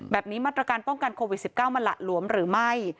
แบบนี้มัตรการป้องกันโควิด๑๙มาหลัดหลวมหรือไม่